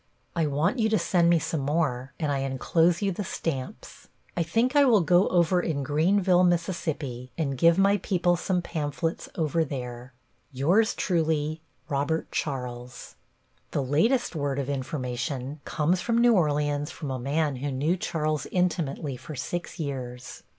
I want you to send me some more, and I enclose you the stamps. I think I will go over in Greenville, Miss., and give my people some pamphlets over there. Yours truly, Robert Charles The latest word of information comes from New Orleans from a man who knew Charles intimately for six years.